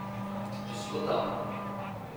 Je suis content.